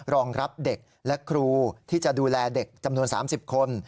รองรับเด็กและครูที่จะดูแลเด็กจำนวน๓๐คน